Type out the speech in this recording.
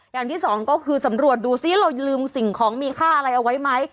อย่างที่สองก็คือสำรวจดูซิเราลืมสิ่งของมีค่าอะไรเอาไว้ไหม